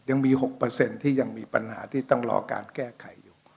ยังมี๖ที่มีปัญหาที่ต้องรอการแก้ไข